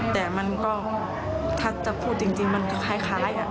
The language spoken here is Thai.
แต่มันก็ถ้าจะพูดจริงมันก็คล้าย